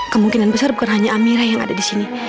kemungkinan besar bukan hanya amira yang ada di sini